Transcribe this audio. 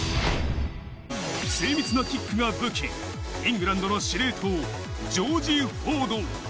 精密なキックが武器、イングランドの司令塔、ジョージ・フォード。